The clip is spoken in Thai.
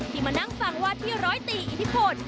มานั่งฟังว่าที่ร้อยตีอิทธิพล